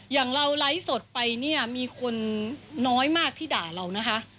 อย่างเราไลฟ์สดไปเนี่ยมีคนน้อยมากที่ด่าเรานะคะ